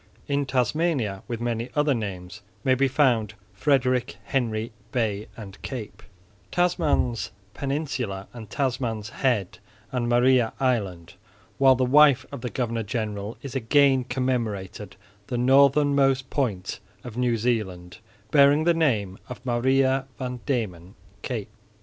In Tasmania, with many other names, may be found Frederick Henry bay and cape, Tasman's peninsula and Tasman's head and Maria island; while the wife of the governor general is again commemorated, the northernmost point of New Zealand bearing the name of Maria van Diemen cape.